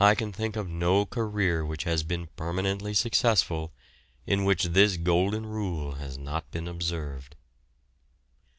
I can think of no career which has been permanently successful, in which this "golden rule" has not been observed.